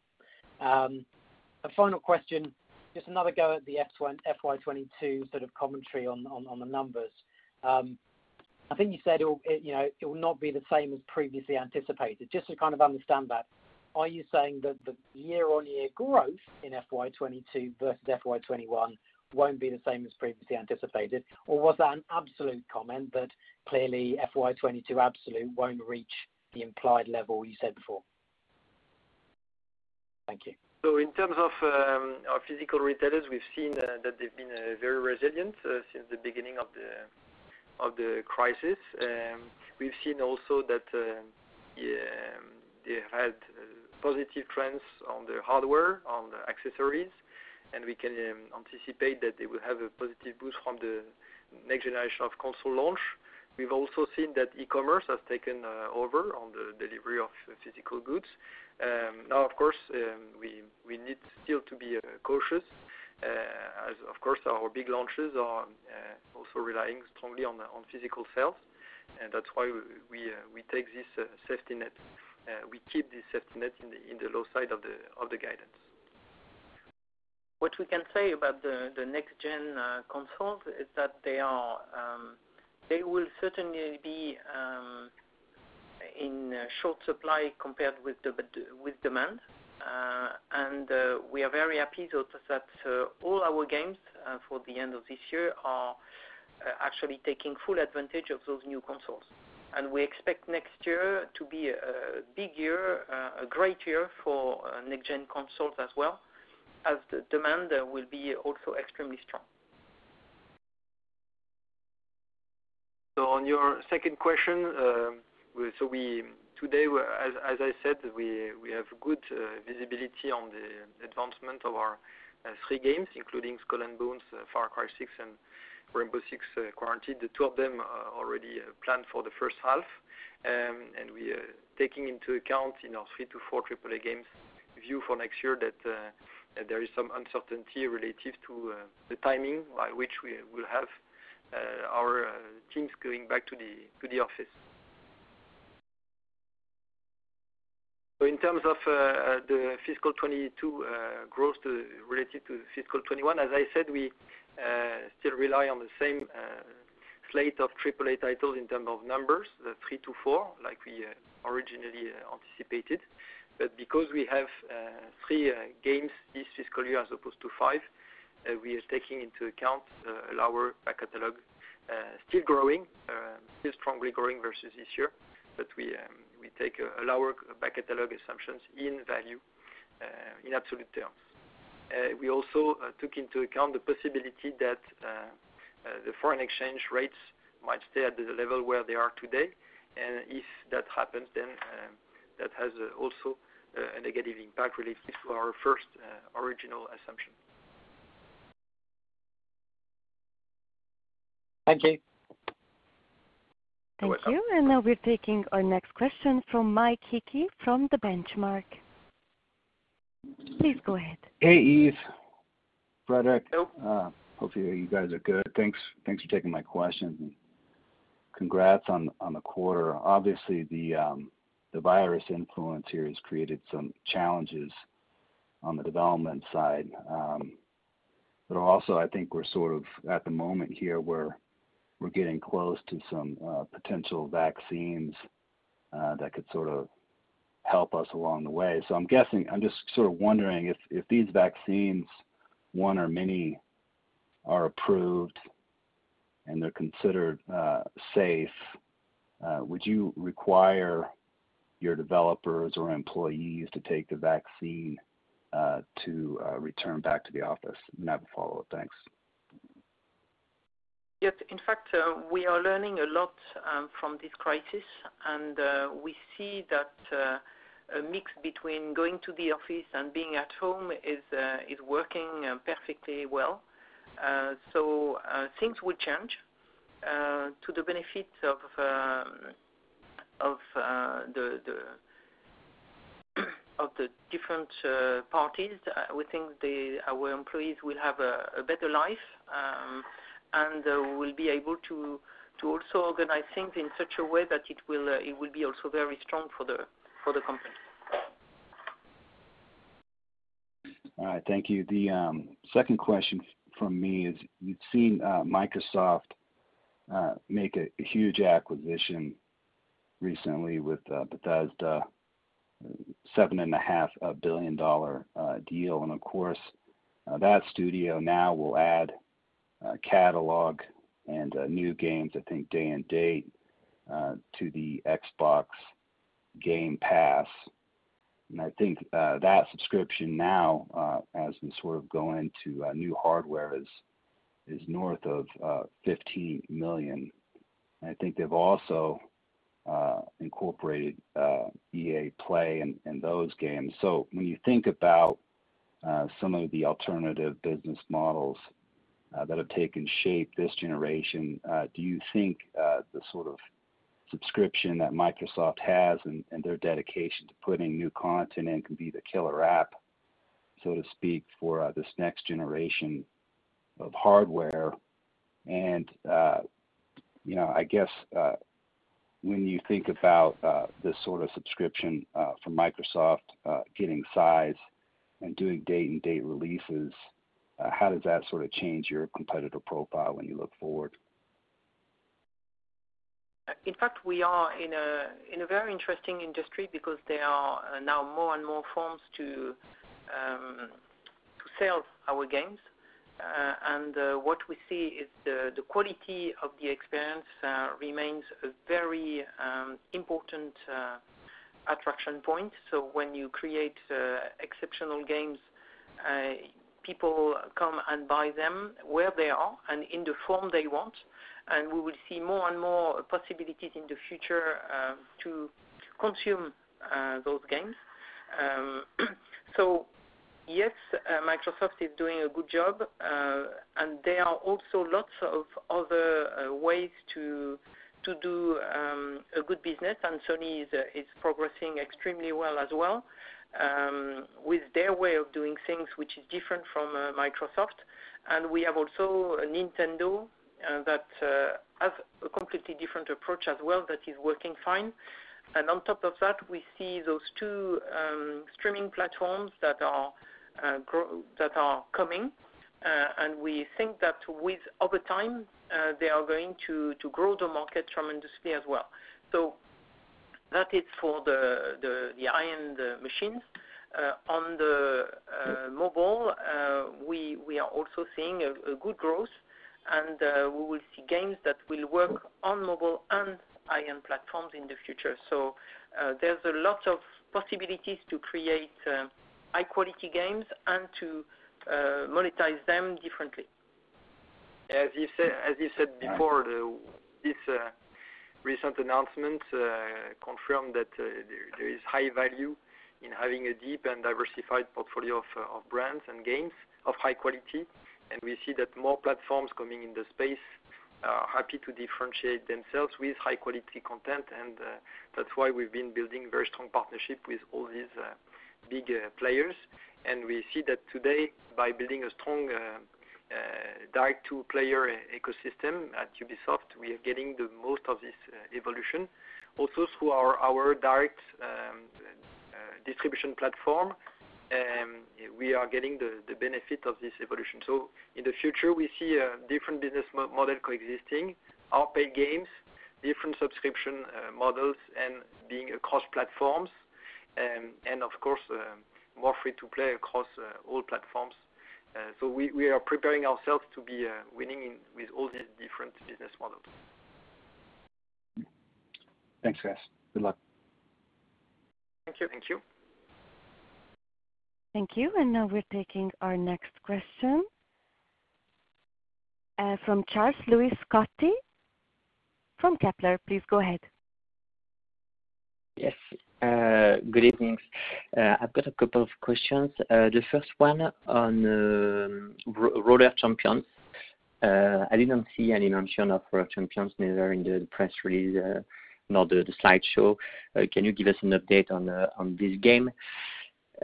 A final question, just another go at the FY 2022 sort of commentary on the numbers. I think you said it will not be the same as previously anticipated. Just to kind of understand that, are you saying that the year-on-year growth in FY 2022 versus FY 2021 won't be the same as previously anticipated? Was that an absolute comment that clearly FY 2022 absolute won't reach the implied level you said before? Thank you. In terms of our physical retailers, we've seen that they've been very resilient since the beginning of the crisis. We've seen also that they had positive trends on their hardware, on the accessories, and we can anticipate that they will have a positive boost from the next-generation of console launch. We've also seen that e-commerce has taken over on the delivery of physical goods. Now, of course, we need still to be cautious as, of course, our big launches are also relying strongly on physical sales, and that's why we keep this safety net in the low side of the guidance. What we can say about the next-gen consoles is that they will certainly be in short supply compared with demand. We are very happy though that all our games for the end of this year are actually taking full advantage of those new consoles. We expect next year to be a big year, a great year for next-gen consoles as well, as the demand will be also extremely strong. On your second question, today, as I said, we have good visibility on the advancement of our three games, including Skull and Bones, Far Cry 6, and Rainbow Six Quarantine. The two of them are already planned for the first half. We are taking into account in our three to four AAA games view for next year that there is some uncertainty relative to the timing by which we will have our teams going back to the office. In terms of the fiscal 2022 growth related to fiscal 2021, as I said, we still rely on the same slate of AAA titles in terms of numbers, the three to four, like we originally anticipated. Because we have three games this fiscal year as opposed to five, we are taking into account a lower back-catalog. Still growing, still strongly growing versus this year, but we take a lower back-catalog assumptions in value in absolute terms. We also took into account the possibility that the foreign exchange rates might stay at the level where they are today, and if that happens, then that has also a negative impact related to our first original assumption. Thank you. You're welcome. Thank you. Now we're taking our next question from Mike Hickey from The Benchmark. Please go ahead. Hey, Yves, Frédérick. Hello. Hopefully you guys are good. Thanks for taking my question. Congrats on the quarter. Obviously, the virus influence here has created some challenges on the development side. I think we're sort of at the moment here where we're getting close to some potential vaccines that could sort of help us along the way. I'm just sort of wondering if these vaccines, one or many, are approved and they're considered safe, would you require your developers or employees to take the vaccine to return back to the office? I have a follow-up. Thanks. Yes. In fact, we are learning a lot from this crisis, and we see that a mix between going to the office and being at home is working perfectly well. Things will change to the benefit of the different parties. We think our employees will have a better life, and we'll be able to also organize things in such a way that it will be also very strong for the company. All right. Thank you. The second question from me is, we've seen Microsoft make a huge acquisition recently with Bethesda, EUR 7.5 billion deal. Of course, that studio now will add a catalog and new games, I think, day and date to the Xbox Game Pass. I think that subscription now, as we sort of go into new hardware, is north of 15 million. I think they've also incorporated EA Play and those games. When you think about some of the alternative business models that have taken shape this generation, do you think the sort of subscription that Microsoft has and their dedication to putting new content in can be the killer app, so to speak, for this next generation of hardware? I guess when you think about this sort of subscription from Microsoft getting size and doing day and date releases, how does that sort of change your competitive profile when you look forward? In fact, we are in a very interesting industry because there are now more and more forms to sell our games. What we see is the quality of the experience remains a very important attraction point. When you create exceptional games, people come and buy them where they are and in the form they want, and we will see more and more possibilities in the future to consume those games. Yes, Microsoft is doing a good job, and there are also lots of other ways to do a good business, and Sony is progressing extremely well as well with their way of doing things, which is different from Microsoft. We have also Nintendo that has a completely different approach as well that is working fine. On top of that, we see those two streaming platforms that are coming. We think that with time, they are going to grow the market tremendously as well. That is for the high-end machines. On the mobile, we are also seeing a good growth and we will see games that will work on mobile and high-end platforms in the future. There's a lot of possibilities to create high-quality games and to monetize them differently. As you said before, this recent announcement confirmed that there is high value in having a deep and diversified portfolio of brands and games of high quality. We see that more platforms coming in the space are happy to differentiate themselves with high-quality content. That's why we've been building very strong partnership with all these big players. We see that today by building a strong direct-to-player ecosystem at Ubisoft, we are getting the most of this evolution. Also through our direct distribution platform, we are getting the benefit of this evolution. In the future, we see a different business model coexisting: paid games, different subscription models, and being across platforms. Of course, more free-to-play across all platforms. We are preparing ourselves to be winning with all these different business models. Thanks, guys. Good luck. Thank you. Thank you. Thank you. Now we're taking our next question from Charles-Louis Scotti from Kepler. Please go ahead. Yes. Good evening. I've got a couple of questions. The first one on Roller Champions. I didn't see any mention of Roller Champions neither in the press release nor the slideshow. Can you give us an update on this game?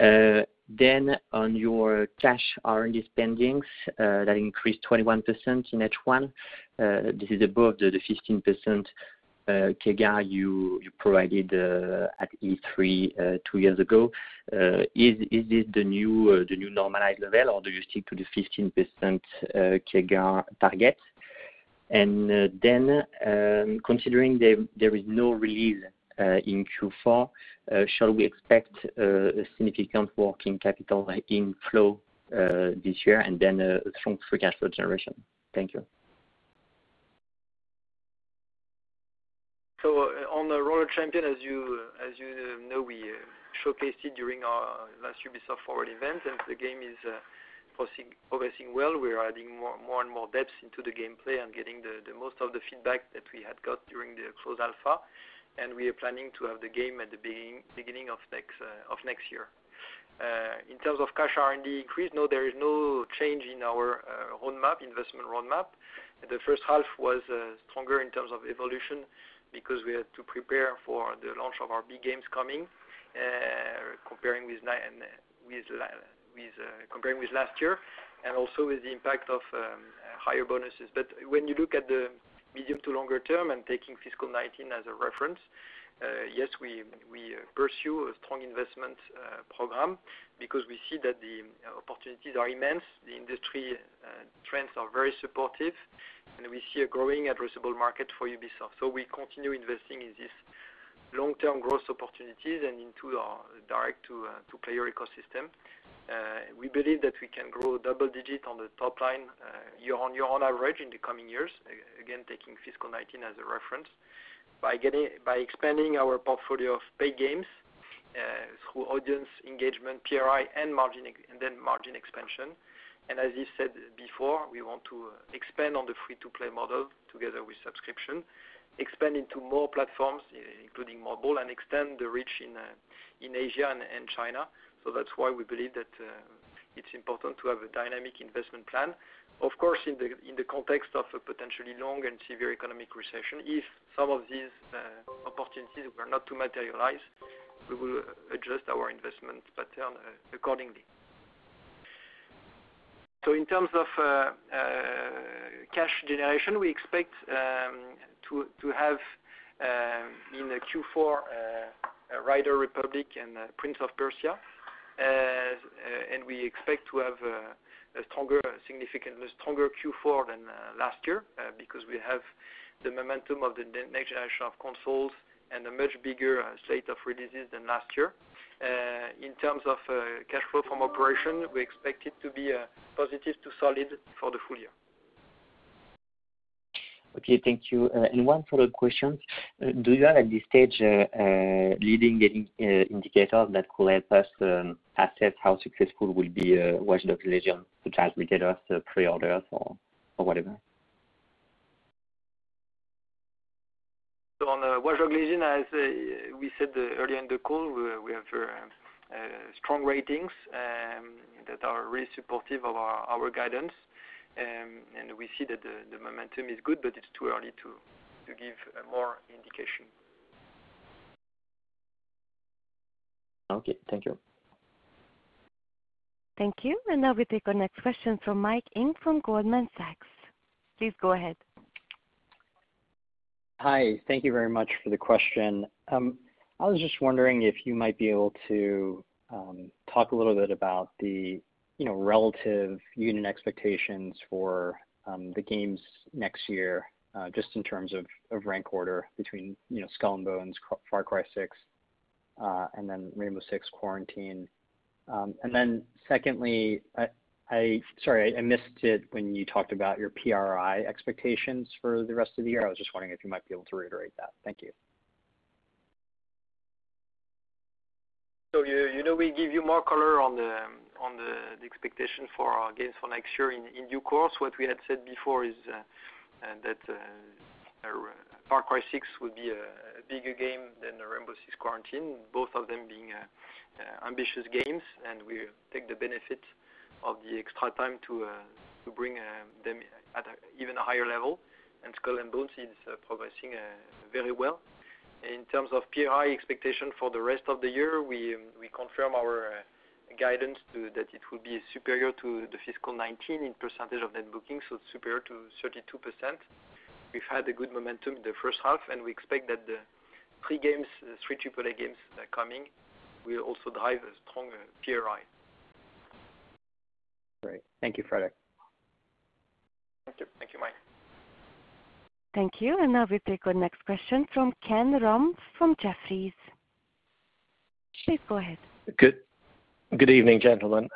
On your cash R&D spendings, that increased 21% in H1. This is above the 15% CAGR you provided at E3 two years ago. Is this the new normalized level, or do you stick to the 15% CAGR target? Considering there is no release in Q4, shall we expect a significant working capital inflow this year and then a strong free cash flow generation? Thank you. On the "Roller Champions," as you know, we showcased it during our last Ubisoft Forward event, and the game is progressing well. We're adding more and more depth into the gameplay and getting the most of the feedback that we had got during the closed alpha. We are planning to have the game at the beginning of next year. In terms of cash R&D increase, no, there is no change in our investment roadmap. The first half was stronger in terms of evolution because we had to prepare for the launch of our big games coming, comparing with last year, and also with the impact of higher bonuses. When you look at the medium to longer term and taking fiscal 2019 as a reference, yes, we pursue a strong investment program because we see that the opportunities are immense. The industry trends are very supportive. We see a growing addressable market for Ubisoft. We continue investing in these long-term growth opportunities and into our direct-to-player ecosystem. We believe that we can grow double-digit on the top line, year-over-year on average in the coming years, again, taking fiscal 2019 as a reference, by expanding our portfolio of paid games through audience engagement, PRI, and then margin expansion. As you said before, we want to expand on the free-to-play model together with subscription, expand into more platforms, including mobile, and extend the reach in Asia and China. That's why we believe that it's important to have a dynamic investment plan. Of course, in the context of a potentially long and severe economic recession, if some of these opportunities were not to materialize, we will adjust our investment pattern accordingly. In terms of cash generation, we expect to have in the Q4, Riders Republic and Prince of Persia, and we expect to have a significantly stronger Q4 than last year because we have the momentum of the next generation of consoles and a much bigger slate of releases than last year. In terms of cash flow from operation, we expect it to be positive to solid for the full year. Okay. Thank you. One follow-up question. Do you have, at this stage, leading indicators that could help us assess how successful will be Watch Dogs: Legion, such as metadata, pre-orders or whatever? On Watch Dogs: Legion, as we said earlier in the call, we have strong ratings that are really supportive of our guidance. We see that the momentum is good, but it's too early to give more indication. Okay. Thank you. Thank you. Now we take our next question from Mike Ng from Goldman Sachs. Please go ahead. Hi. Thank you very much for the question. I was just wondering if you might be able to talk a little bit about the relative unit expectations for the games next year, just in terms of rank order between Skull and Bones, Far Cry 6, then Rainbow Six Quarantine. Secondly, sorry, I missed it when you talked about your PRI expectations for the rest of the year. I was just wondering if you might be able to reiterate that. Thank you. We give you more color on the expectation for our games for next year in due course. What we had said before is that Far Cry 6 will be a bigger game than the Rainbow Six Quarantine, both of them being ambitious games, and we take the benefit of the extra time to bring them at an even higher level. Skull and Bones is progressing very well. In terms of PRI expectation for the rest of the year, we confirm our guidance that it will be superior to the fiscal 2019 in percentage of net bookings, so it's superior to 32%. We've had a good momentum in the first half, and we expect that the three AAA games that are coming will also drive a strong PRI.Great. Thank you, Frédérick. Thank you, Mike. Thank you. Now we take our next question from Ken Rumph from Jefferies. Please go ahead. Good evening, gentlemen.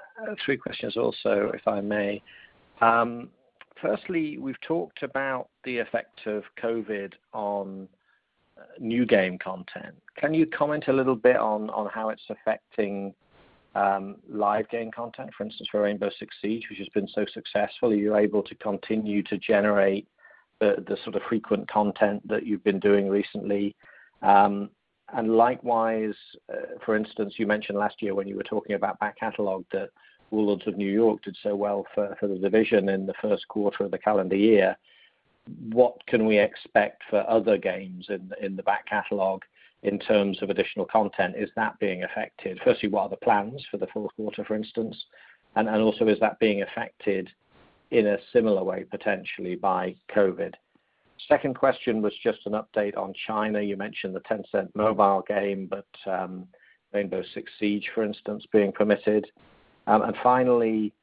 Three questions also, if I may. Firstly, we've talked about the effect of COVID-19 on new game content. Can you comment a little bit on how it's affecting live game content, for instance, for Rainbow Six Siege, which has been so successful? Are you able to continue to generate the sort of frequent content that you've been doing recently? Likewise, for instance, you mentioned last year when you were talking about back-catalog that Warlords of New York did so well for The Division 2 in the first quarter of the calendar year. What can we expect for other games in the back-catalog in terms of additional content? Is that being affected? Firstly, what are the plans for the fourth quarter, for instance, and also is that being affected in a similar way, potentially, by COVID-19? Second question was just an update on China. You mentioned the Tencent mobile game, but Rainbow Six Siege, for instance, being permitted. Finally,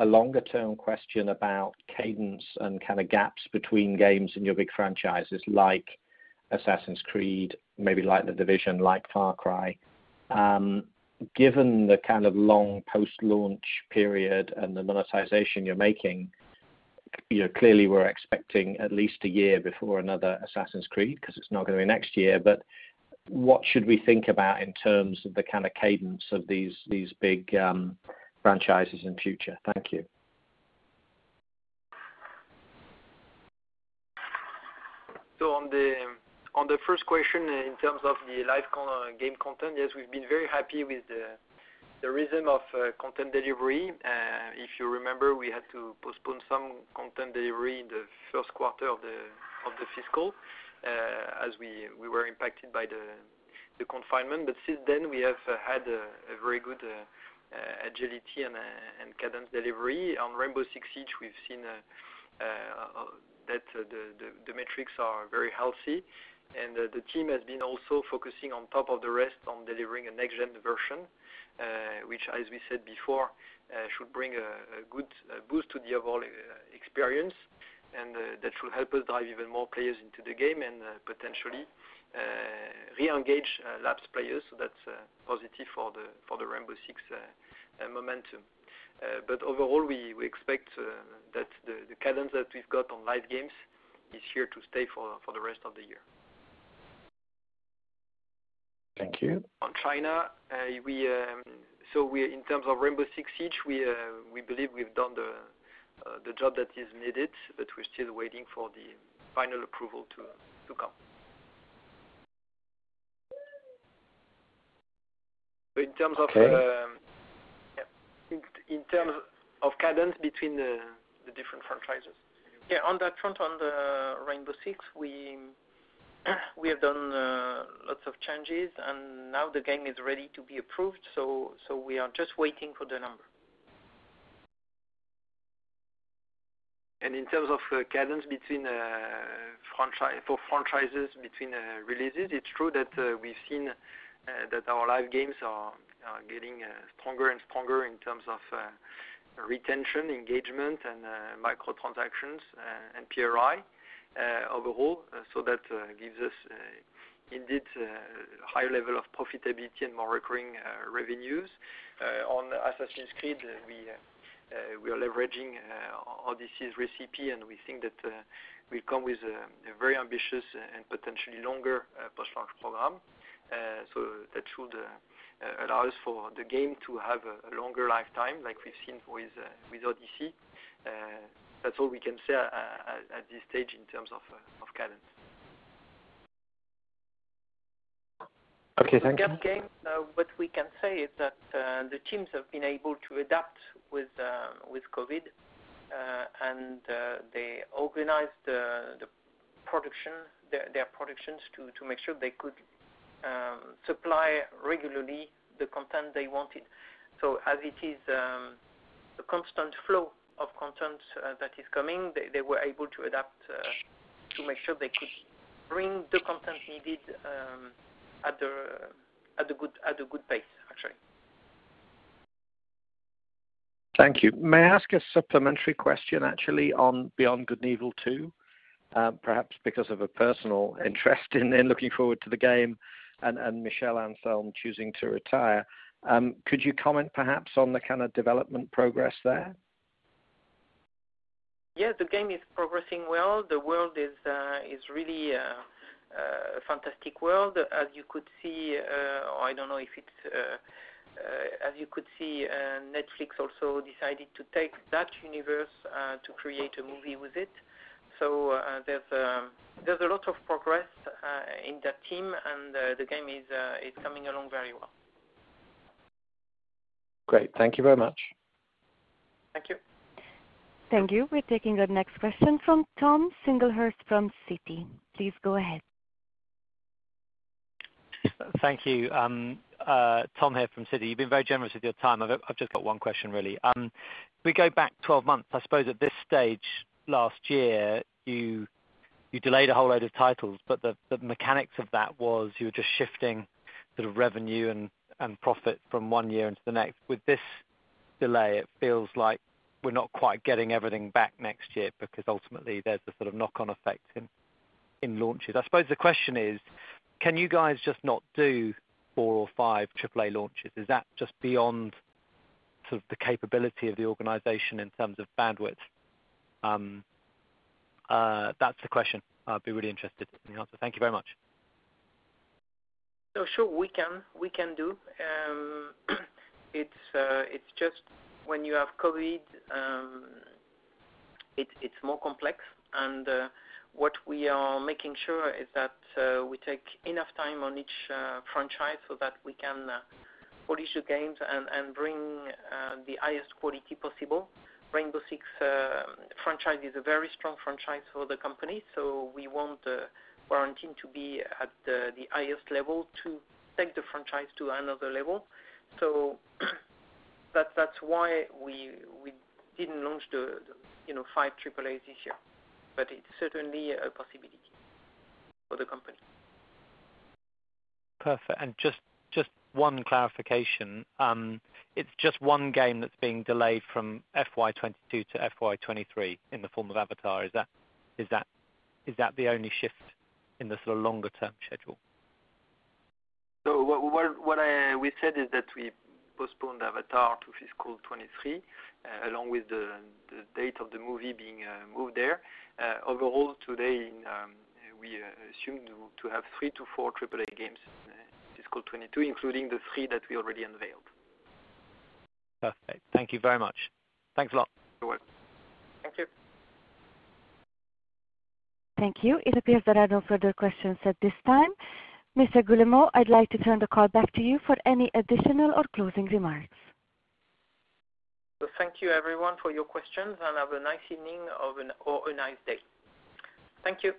a longer-term question about cadence and kind of gaps between games in your big franchises like Assassin's Creed, maybe like The Division, like Far Cry. Given the kind of long post-launch period and the monetization you're making, clearly we're expecting at least a year before another Assassin's Creed because it's not going to be next year. What should we think about in terms of the kind of cadence of these big franchises in future? Thank you. On the first question in terms of the live game content, yes, we've been very happy with the rhythm of content delivery. If you remember, we had to postpone some content delivery in the first quarter of the fiscal as we were impacted by the confinement. Since then, we have had a very good agility and cadence delivery. On Rainbow Six Siege, we've seen that the metrics are very healthy, and the team has been also focusing on top of the rest on delivering a next-gen version, which, as we said before, should bring a good boost to the overall experience, and that should help us drive even more players into the game and potentially re-engage lapsed players. That's positive for the Rainbow Six momentum. Overall, we expect that the cadence that we've got on live games is here to stay for the rest of the year. Thank you. On China, in terms of Rainbow Six Siege, we believe we've done the job that is needed, but we're still waiting for the final approval to come. Okay. In terms of cadence between the different franchises. On that front, on the Rainbow Six, we have done lots of changes, and now the game is ready to be approved. We are just waiting for the number. In terms of cadence for franchises between releases, it's true that we've seen that our live games are getting stronger and stronger in terms of retention, engagement, and micro-transactions and PRI overall. That gives us, indeed, a higher level of profitability and more recurring revenues. On Assassin's Creed, we are leveraging Odyssey's recipe, and we think that we'll come with a very ambitious and potentially longer post-launch program. That should allow us for the game to have a longer lifetime like we've seen with Odyssey. That's all we can say at this stage in terms of cadence. Okay. Thank you. Gap game, what we can say is that the teams have been able to adapt with COVID and they organized their productions to make sure they could supply regularly the content they wanted. As it is a constant flow of content that is coming, they were able to adapt to make sure they could bring the content needed at a good pace, actually. Thank you. May I ask a supplementary question actually on Beyond Good and Evil 2? Perhaps because of a personal interest in looking forward to the game and Michel Ancel choosing to retire. Could you comment perhaps on the kind of development progress there? Yes, the game is progressing well. The world is really a fantastic world. As you could see, Netflix also decided to take that universe to create a movie with it. There's a lot of progress in that team, and the game is coming along very well. Great. Thank you very much. Thank you. Thank you. We're taking the next question from Tom Singlehurst from Citi. Please go ahead. Thank you. Tom here from Citi. You've been very generous with your time. I've just got one question, really. We go back 12 months, I suppose at this stage last year, you delayed a whole load of titles, but the mechanics of that was you were just shifting sort of revenue and profit from one year into the next. With this delay, it feels like we're not quite getting everything back next year because ultimately there's a sort of knock-on effect in launches. I suppose the question is, can you guys just not do four or five AAA launches? Is that just beyond sort of the capability of the organization in terms of bandwidth? That's the question. I'd be really interested in the answer. Thank you very much. Sure. We can do. It's just when you have COVID, it's more complex, and what we are making sure is that we take enough time on each franchise so that we can polish the games and bring the highest quality possible. Rainbow Six franchise is a very strong franchise for the company, so we want our team to be at the highest level to take the franchise to another level. That's why we didn't launch the five AAAs this year, but it's certainly a possibility for the company. Perfect. Just one clarification. It's just one game that's being delayed from FY 2022 to FY 2023 in the form of Avatar. Is that the only shift in the sort of longer-term schedule? What we said is that we postponed Avatar to fiscal 2023, along with the date of the movie being moved there. Overall, today, we assume to have three to four AAA games in fiscal 2022, including the three that we already unveiled. Perfect. Thank you very much. Thanks a lot. You're welcome. Thank you. Thank you. It appears that I have no further questions at this time. Mr. Guillemot, I'd like to turn the call back to you for any additional or closing remarks. Thank you everyone for your questions, and have a nice evening or a nice day. Thank you.